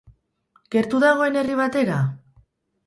Gertu dagoen herri batera?